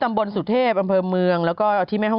อเรนนี่เงี่ยเข้ามาในบ้าน